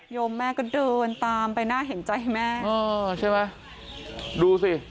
มแม่ก็เดินตามไปน่าเห็นใจแม่เออใช่ไหมดูสิ